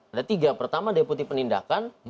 ada tiga pertama deputi penindakan